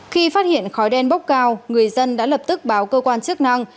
khi phát hiện khói đen bốc cao người dân đã lập tức báo cơ quan chức năng